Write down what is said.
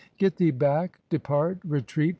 89 (2) "Get thee back, depart, retreat